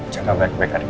jadi kurang levelnya kurang